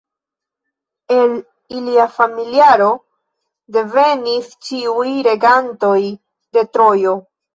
El ilia familiaro devenis ĉiuj regantoj de Trojo.